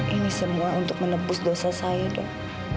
ini semua untuk menepus dosa saya dok